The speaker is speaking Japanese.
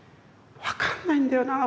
「分かんないんだよなぁ